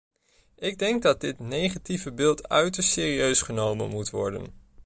Ik denk dat dit negatieve beeld uiterst serieus genomen moet worden.